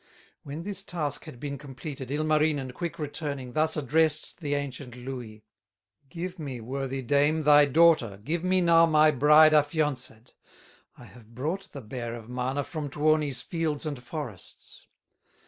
When this task had been completed, Ilmarinen, quick returning, Thus addressed the ancient Louhi: "Give me, worthy dame, thy daughter, Give me now my bride affianced, I have brought the bear of Mana From Tuoni's fields and forests."